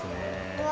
うわ。